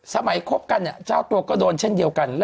คบกันเนี่ยเจ้าตัวก็โดนเช่นเดียวกัน